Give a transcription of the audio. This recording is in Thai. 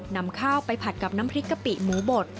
นำข้าวไปผัดกับน้ำพริกกะปิหมูบด